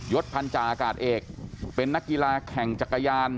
ศพพันธาอากาศเอกเป็นนักกีฬาแข่งจักรยาน